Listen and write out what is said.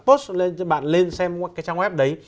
post lên xem cái trang web đấy